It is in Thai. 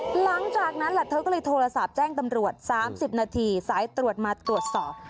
หลังจากนั้นแหละเธอก็เลยโทรศัพท์แจ้งตำรวจ๓๐นาทีสายตรวจมาตรวจสอบ